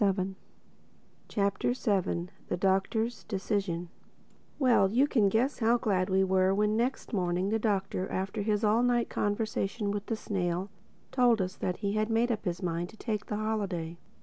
THE SEVENTH CHAPTER THE DOCTOR'S DECISION WELL, you can guess how glad we were when next morning the Doctor, after his all night conversation with the snail, told us that he had made up his mind to take the holiday.